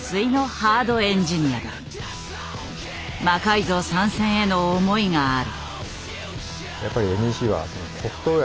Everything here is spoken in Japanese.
「魔改造」参戦への思いがある。